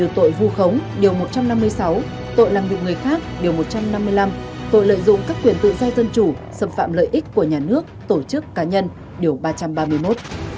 tội vu khống điều một trăm năm mươi sáu tội làm bị người khác điều một trăm năm mươi năm tội lợi dụng các quyền tự do dân chủ xâm phạm lợi ích của nhà nước tổ chức cá nhân điều ba trăm ba mươi một